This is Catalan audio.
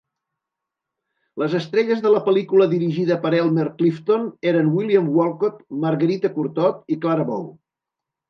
Les estrelles de la pel·lícula dirigida per Elmer Clifton eren William Walcott, Marguerite Courtot i Clara Bow.